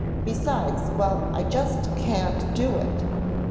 Besides, well, I just can't do it."